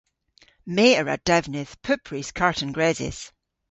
My a wra devnydh pupprys karten gresys.